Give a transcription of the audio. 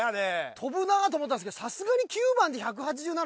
飛ぶなと思ったんすけどさすがに９番で１８７？